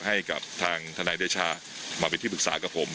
ให้กับทางทนายเดชามาเป็นที่ปรึกษากับผม